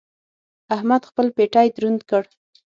احمد خپل پېټی دروند کړ.